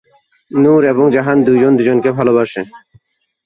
নূর এবং জাহান দুইজন দুজনকে ভালোবাসে।